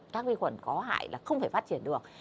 các vi khuẩn có hại là không thể phát triển được